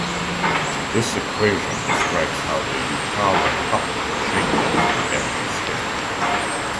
This equation describes how the Yukawa coupling changes with energy scale .